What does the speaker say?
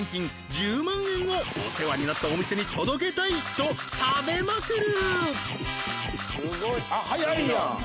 １０万円をお世話になったお店に届けたいと食べまくるすごいあっ早いやん